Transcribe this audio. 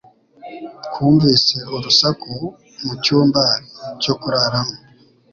Twumvise urusaku mu cyumba cyo kuraramo